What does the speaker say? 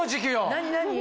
何？